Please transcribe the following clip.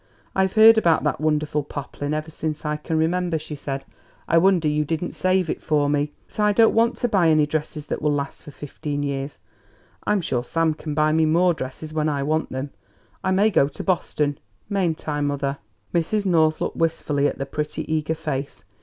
"I've heard about that wonderful poplin ever since I can remember," she said. "I wonder you didn't save it for me. But I don't want to buy any dresses that will last for fifteen years. I'm sure Sam can buy me more dresses when I want them. I may go to Boston; mayn't I, mother?" Mrs. North looked wistfully at the pretty, eager face.